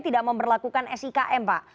tidak mau berlakukan sikm pak